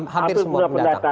hampir semua pendatang